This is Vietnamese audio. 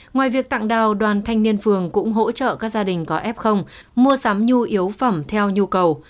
ngoài việc tặng đào đoàn thanh niên phường cũng hỗ trợ các gia đình có f mua sắm nhu yếu phẩm theo nhu cầu